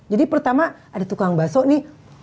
jadi pertama ada tukang baso nih